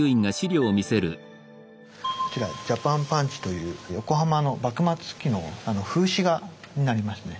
こちら「ジャパンパンチ」という横浜の幕末期の風刺画になりますね。